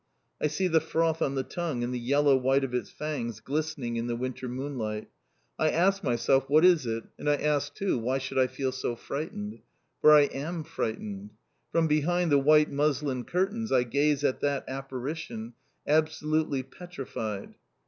I see the froth on the tongue, and the yellow white of its fangs glistening in the winter moonlight. I ask myself what is it? And I ask too why should I feel so frightened? For I am frightened. From behind the white muslin curtains I gaze at that apparition, absolutely petrified.